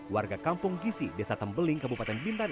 warga kampung gisi desa tembeling kabupaten bintan